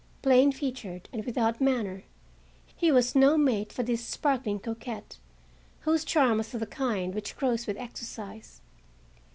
Plain featured and without manner, lie was no mate for this sparkling coquette, whose charm was of the kind which grows with exercise.